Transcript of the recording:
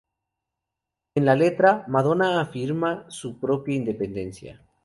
En la letra, Madonna afirma su propia independencia.